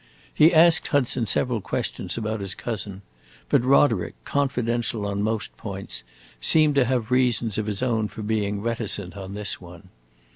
He asked Hudson several questions about his cousin, but Roderick, confidential on most points, seemed to have reasons of his own for being reticent on this one.